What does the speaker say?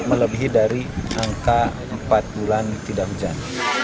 melebihi dari angka empat bulan tidak hujan